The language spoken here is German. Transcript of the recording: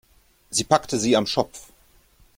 Sie packte sie am Schopf.